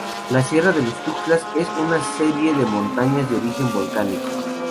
La Sierra de los Tuxtlas es una serie de montañas de origen volcánico.